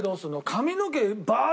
髪の毛バー